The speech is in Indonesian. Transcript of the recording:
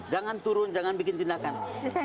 jangan turun jangan bikin tindakan ini saya